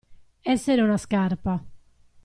Essere una scarpa.